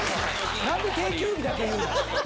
なんで定休日だけ言うの？